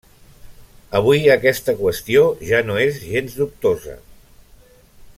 Avui aquesta qüestió ja no és gens dubtosa.